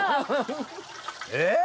えっ？